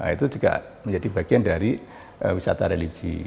itu juga menjadi bagian dari wisata religi